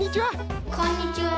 こんにちは！